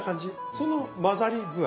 その混ざり具合。